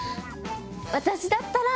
私だったら。